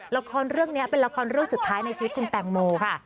ราคอลเรื่องนี้เป็นราคอลสุดท้ายในชีวิตคุณแตงโมค่ะ